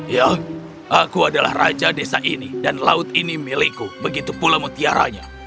ya aku adalah raja desa ini dan laut ini milikku begitu pula mutiaranya